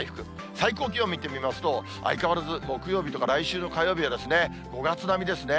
最高気温見てみますと、相変わらず木曜日とか来週の火曜日は５月並みですね。